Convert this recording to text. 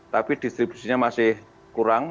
tapi distribusinya masih kurang